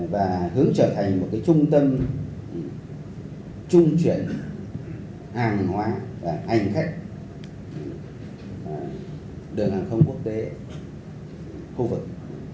và hướng trở thành một trung tâm trung chuyển hàng hóa hành khách đường hàng không quốc tế khu vực